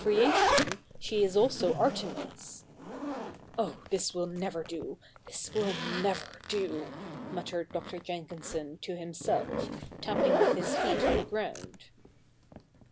'eation, she is also Arte7?iisy '(' Oh, this will never do — this will never do !' muttered Dr. Jenkinson o himself, tapping with his feet on the ground.)